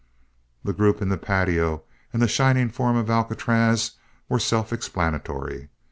The group in the patio, and the shining form of Alcatraz, were self explanatory.